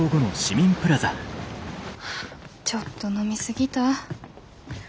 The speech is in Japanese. ちょっと飲み過ぎた。